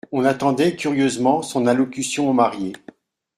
On attendait curieusement son allocution aux mariés.